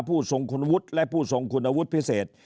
ผู้ทรงคุณวุฒิและผู้ทรงคุณวุฒิพิเศษ